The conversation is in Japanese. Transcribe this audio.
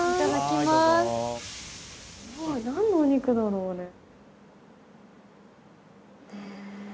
何のお肉だろうね。